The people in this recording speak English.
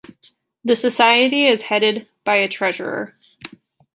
The society is headed by a Treasurer.